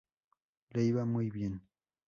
Le iba muy bien.